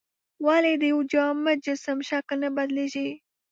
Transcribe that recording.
ولې د یو جامد جسم شکل نه بدلیږي؟